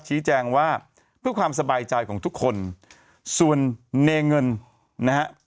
ชี้แจงว่าเพื่อความสบายใจของทุกคนส่วนเนเงินนะฮะ